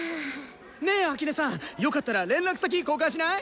ねえ秋音さんよかったら連絡先交換しない？